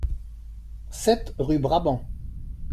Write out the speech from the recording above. sept rue Brabant